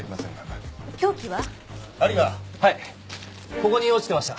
ここに落ちてました。